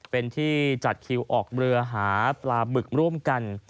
เป็นที่จัดคิวออกเรือหาปลาบึกร่วมกัน